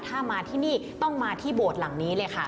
ถ้ามาที่นี่ต้องมาที่โบสถ์หลังนี้เลยค่ะ